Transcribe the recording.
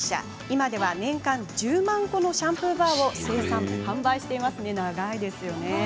今では年間１０万個のシャンプーバーを生産販売しています。